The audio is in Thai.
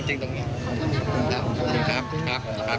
ขอบคุณเท่าแค่นี้นะฮะขอบคุณมาก